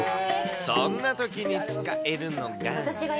そんなときに使えるのが。